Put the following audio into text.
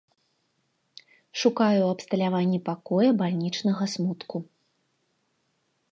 Шукае ў абсталяванні пакоя бальнічнага смутку.